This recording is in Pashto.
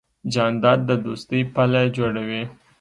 جانداد د دوستۍ پله جوړوي.